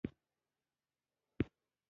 سرعت تل د وخت تابع دی.